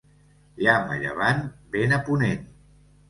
Llamp a llevant, vent a ponent.